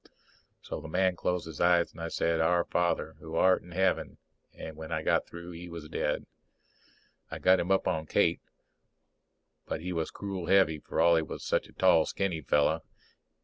So the man closed his eyes and I said, Our Father which art in Heaven, and when I got through he was dead. I got him up on Kate, but he was cruel heavy for all he was such a tall skinny fellow.